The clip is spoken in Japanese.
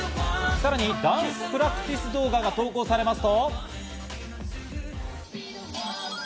さらにダンスプラクティス動画が投稿されますと。